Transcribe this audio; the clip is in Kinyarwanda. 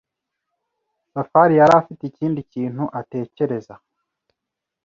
Safari yari afite ikindi kintu atekereza.